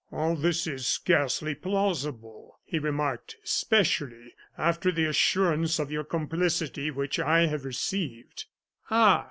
"All this is scarcely plausible," he remarked, "especially after the assurance of your complicity, which I have received." "Ah!"